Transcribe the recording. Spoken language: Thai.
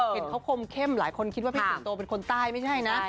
เห็นเขาคมเข้มหลายคนคิดว่าพี่สิงโตเป็นคนใต้ไม่ใช่นะ